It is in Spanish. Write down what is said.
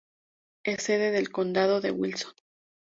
Es sede del condado de Wilson.